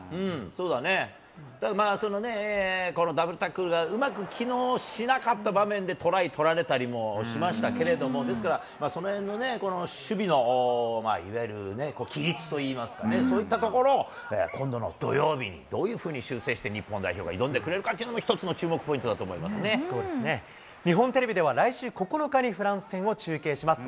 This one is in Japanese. そうだね、その、このダブルタックルがうまく機能しなかった場面で、トライ取られたりもしましたけれども、ですからその辺のね、この守備のいわゆるね、規律といいますかね、そういったところを今度の土曜日に、どういうふうに修正して、日本代表が挑んでくれるかっていうのも一つのそうですね、日本テレビでは来週９日にフランス戦を中継します。